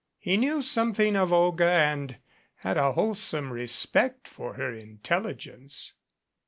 He knew some thing of Olga and had a wholesome respect for her intel ligence.